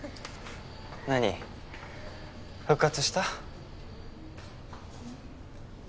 何復活した？